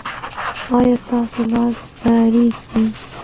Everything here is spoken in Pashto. ایا ستاسو لاس به ریږدي؟